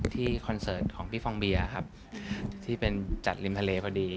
คอนเสิร์ตของพี่ฟองเบียร์ครับที่เป็นจัดริมทะเลพอดี